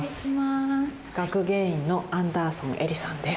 学芸員のアンダーソン依里さんです。